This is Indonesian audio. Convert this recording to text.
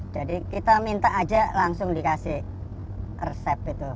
jadi kita minta aja langsung dikasih resep itu